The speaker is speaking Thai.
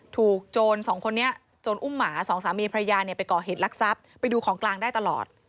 โจรสองคนนี้โจรอุ้มหมาสองสามีพระยาเนี่ยไปก่อเหตุลักษัพไปดูของกลางได้ตลอด